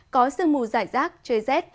có sương mù rải rác chơi rét